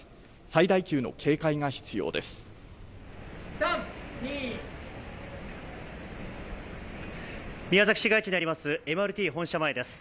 最大級の警戒が必要です。